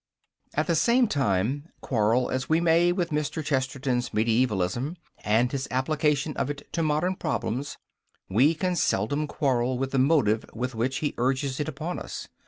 At the same time, quarrel as we may with Mr. Chesterton's mediaevalism, and his application of it to modern problems, we can seldom quarrel with the motive with which he urges it upon us.